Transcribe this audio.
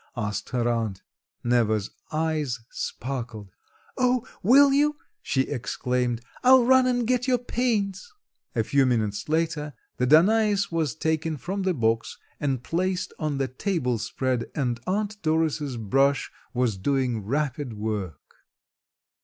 asked her aunt. Neva's eyes sparkled. "Oh, will you?" she exclaimed. "I'll run and get your paints." A few minutes later the Danais was taken from the box and placed on the tablespread and Aunt Doris' brush was doing rapid work.